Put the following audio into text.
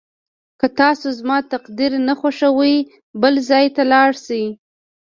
که تاسو زما تقریر نه خوښوئ بل ځای ته لاړ شئ.